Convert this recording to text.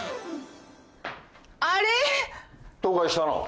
どうかしたの？